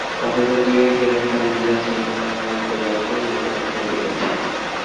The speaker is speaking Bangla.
কথাটা দুই-এক জনের কানে গিয়াছে এবং অল্পে অল্পে ব্যাপ্ত হইবারও চেষ্টা করিতেছে।